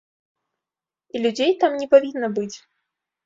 І людзей там не павінна быць.